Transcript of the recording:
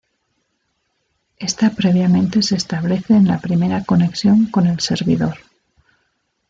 Esta previamente se establece en la primera conexión con el servidor.